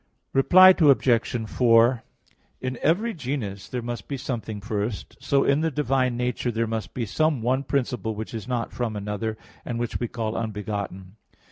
Reply Obj. 4: In every genus there must be something first; so in the divine nature there must be some one principle which is not from another, and which we call "unbegotten."